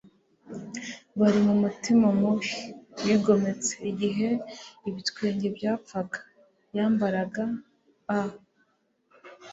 bari mumutima mubi, wigometse. igihe ibitwenge byapfaga, yambaraga a